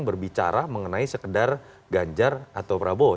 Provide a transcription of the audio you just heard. berbicara mengenai sekedar ganjar atau prabowo